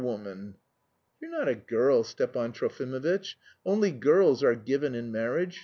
woman." "You're not a girl, Stepan Trofimovitch. Only girls are given in marriage.